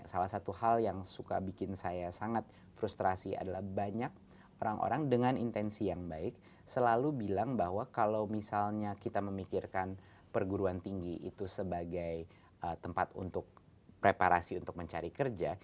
salah satu hal yang suka bikin saya sangat frustrasi adalah banyak orang orang dengan intensi yang baik selalu bilang bahwa kalau misalnya kita memikirkan perguruan tinggi itu sebagai tempat untuk preparasi untuk mencari kerja